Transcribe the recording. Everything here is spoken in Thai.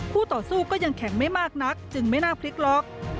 ต่อสู้ก็ยังแข็งไม่มากนักจึงไม่น่าพลิกล็อก